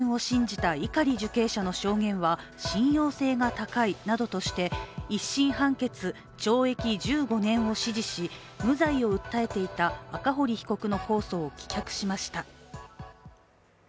９日の判決で、福岡高裁は赤堀被告の虚言を信じた碇受刑者の証言は信用性が高いなどとして１審判決、懲役１５年を支持し無罪を訴えていた赤堀被告の控訴を棄却しました。